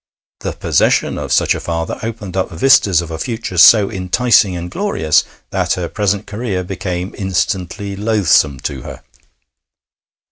The possession of such a father opened up vistas of a future so enticing and glorious that her present career became instantly loathsome to her.